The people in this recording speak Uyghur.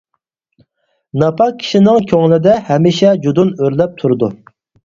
ناپاك كىشىنىڭ كۆڭلىدە ھەمىشە جۇدۇن ئۆرلەپ تۇرىدۇ.